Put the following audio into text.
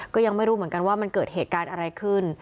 ก็ยังไม่รู้เหมือนกันว่ามันเกิดเหตุการณ์อะไรขึ้น